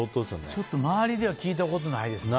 ちょっと周りでは聞いたことないですね